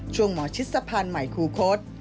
หมอชิดสะพานใหม่คูคศ